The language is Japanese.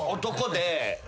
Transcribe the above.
男で。